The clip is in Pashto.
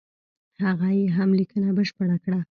هغه یې هم لیکنه بشپړه کړه.